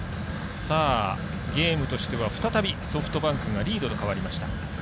ゲームとしては再びソフトバンクがリードに変わりました。